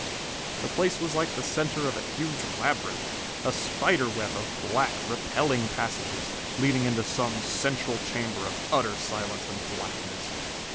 The place was like the center of a huge labyrinth, a spider web of black, repelling passages, leading into some central chamber of utter silence and blackness.